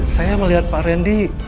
saya melihat pak randy